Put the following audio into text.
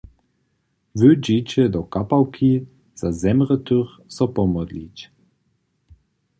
Wy dźeće do kapałki za zemrětych so pomodlić.